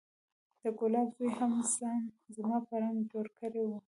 د ګلاب زوى هم ځان زما په رنګ جوړ کړى و.